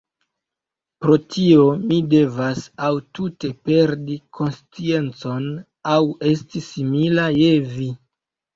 Pro tio mi devas aŭ tute perdi konsciencon, aŭ esti simila je vi.